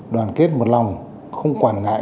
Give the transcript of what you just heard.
đoàn kết một lòng không quản ngại